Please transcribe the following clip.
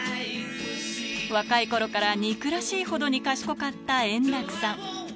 若いころから憎らしいほどに賢かった円楽さん。